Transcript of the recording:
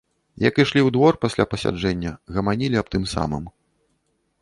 Як ішлі ў двор пасля пасяджэння, гаманілі аб тым самым.